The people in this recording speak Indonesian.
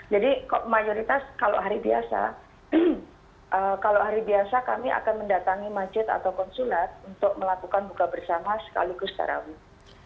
jadi mayoritas kalau hari biasa kami akan mendatangi masjid atau konsulat untuk melakukan buka bersama sekaligus tarawih